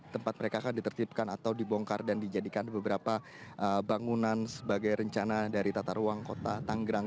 tempat mereka akan ditertipkan atau dibongkar dan dijadikan beberapa bangunan sebagai rencana dari tata ruang kota tanggerang